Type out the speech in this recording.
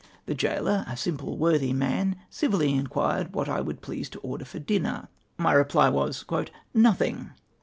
The gaoler, a simple worthy man, civilly mquu^ed what I woidd please to order for dinner. My reply was :—" Nothing